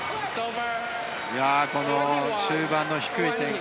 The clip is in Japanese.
この終盤の低い展開